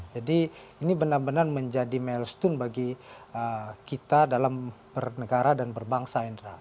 jadi ini benar benar menjadi milestone bagi kita dalam bernegara dan berbangsa indra